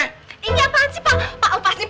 ini apaan sih pak